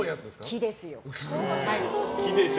木ですよ。